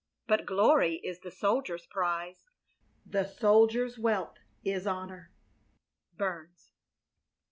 But glory is the soldier's prize, The soldier's wealth is honour/i Burns.